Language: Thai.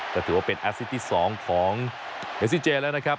ก็ถือว่าเป็นอัศวิทย์ที่๒ของเมซิเจชนะครับ